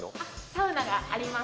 サウナがあります。